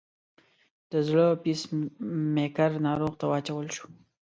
د زړه پیس میکر ناروغ ته واچول شو.